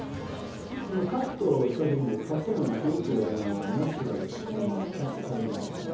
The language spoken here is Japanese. そのカットした時のカット面がすごくナチュラルにカットされるじゃないですか。